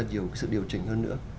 nhiều sự điều chỉnh hơn nữa